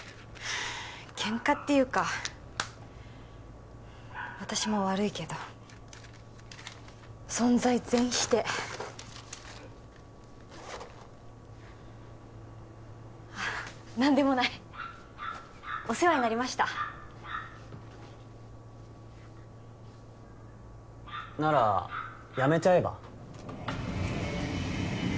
ケンカっていうか私も悪いけど存在全否定何でもないお世話になりましたならやめちゃえば？